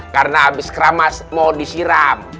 karena abis keramas mau disiram